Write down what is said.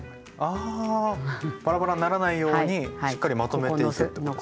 あバラバラにならないようにしっかりまとめていくってことです。